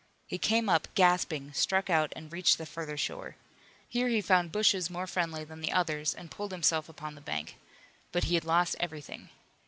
He came up, gasping, struck out and reached the further shore. Here he found bushes more friendly than the others and pulled himself upon the bank. But he had lost everything.